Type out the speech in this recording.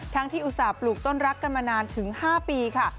ที่อุตส่าห์ปลูกต้นรักกันมานานถึง๕ปีค่ะ